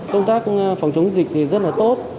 công tác phòng chống dịch thì rất là tốt